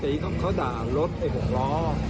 เสียงปืนดังกี่นัดละ